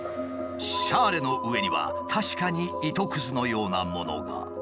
シャーレの上には確かに糸くずのようなものが。